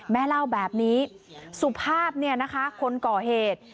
แม่เล่าแบบนี้สุภาพเนี่ยนะคะคนก่อเหตุ